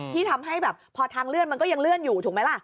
ที่ทำให้แบบพอทางเลื่อนมันก็ยังเลื่อนอยู่ถูกไหมล่ะ